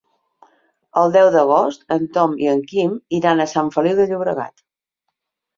El deu d'agost en Tom i en Quim iran a Sant Feliu de Llobregat.